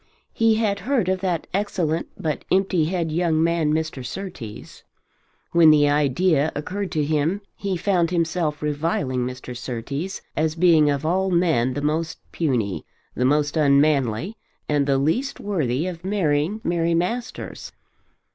He had heard of that excellent but empty headed young man Mr. Surtees. When the idea occurred to him he found himself reviling Mr. Surtees as being of all men the most puny, the most unmanly, and the least worthy of marrying Mary Masters.